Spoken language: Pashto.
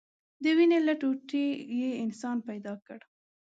د وينې له ټوټې يې انسان پيدا كړ.